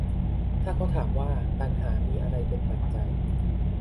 ถ้าเขาถามว่า ตัณหามีอะไรเป็นปัจจัย